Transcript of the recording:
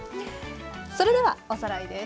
それではおさらいです。